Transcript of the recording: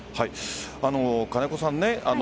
金子さん